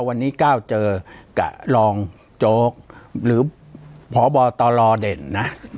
วันนี้ก้าวเจอกับรองโจ๊กหรือพบตรเด่นนะ